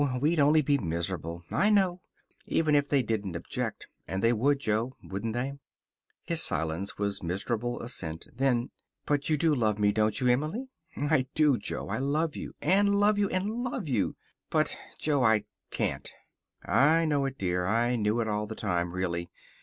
We'd only be miserable. I know. Even if they didn't object. And they would, Jo. Wouldn't they?" His silence was miserable assent. Then, "But you do love me, don't you, Emily?" "I do, Jo. I love you and love you and love you. But, Jo, I can't." "I know it, dear. I knew it all the time, really.